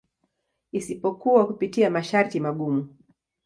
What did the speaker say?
Isipokuwa kupitia masharti magumu.